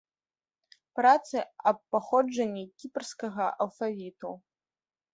Працы аб паходжанні кіпрскага алфавіту.